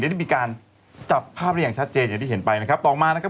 ได้มีการจับภาพได้อย่างชัดเจนอย่างที่เห็นไปนะครับต่อมานะครับ